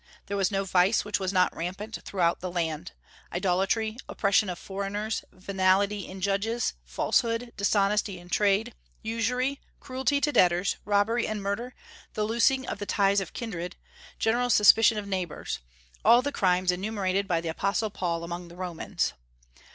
There was no vice which was not rampant throughout the land, adultery, oppression of foreigners, venality in judges, falsehood, dishonesty in trade, usury, cruelty to debtors, robbery and murder, the loosing of the ties of kindred, general suspicion of neighbors, all the crimes enumerated by the Apostle Paul among the Romans.